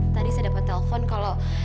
tadi saya dapat telepon kalau